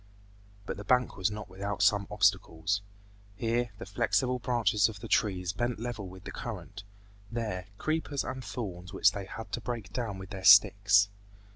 But the bank was not without some obstacles: here, the flexible branches of the trees bent level with the current; there, creepers and thorns which they had to break down with their sticks.